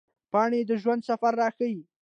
پاڼې د ژوند سفر راښيي